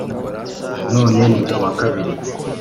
none ni kuwa kabiri